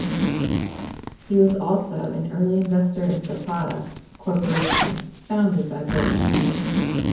He was also an early investor in Zapata Corporation, founded by Bush.